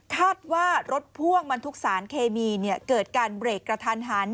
คาดว่ารถพ่วงบรรทุกสารเคมีเกิดการเบรกกระทันหัน